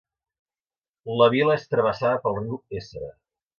La vila és travessada pel riu Éssera.